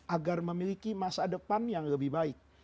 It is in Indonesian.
agar memiliki masa depan yang lebih baik